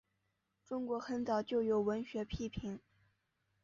中国很早就有文学批评。